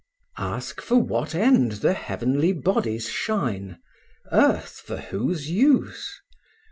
V. Ask for what end the heavenly bodies shine, Earth for whose use?